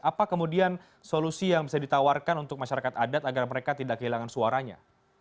apa kemudian solusi yang bisa ditawarkan untuk masyarakat adat agar mereka tidak kehilangan suaranya